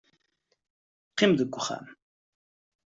Qqim deg uxxam.